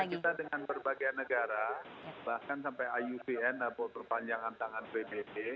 dan kerjasama kita dengan berbagai negara bahkan sampai iudn atau perpanjangan tangan pbb